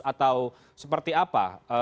atau seperti apa